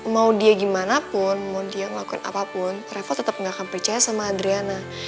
mau dia gimana pun mau dia ngelakuin apapun revo tetap gak akan percaya sama adriana